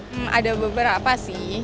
hmm ada beberapa sih